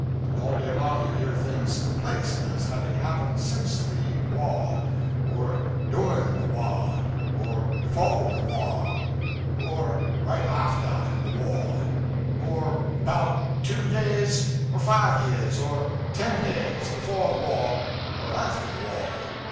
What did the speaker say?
All day long you hear things 'placed' as having happened since the waw; or du'in' the waw; or befo' the waw; or right aftah the waw; or 'bout two yeahs or five yeahs or ten yeahs befo' the waw or aftah the waw.